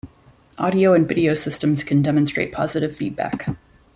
Audio and video systems can demonstrate positive feedback.